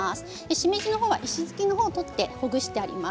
しめじは石突きを取ってほぐしてあります。